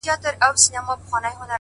له پاڼې ـ پاڼې اوستا سره خبرې وکړه’